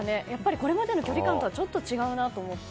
これまでの距離感とはちょっと違うなと思って。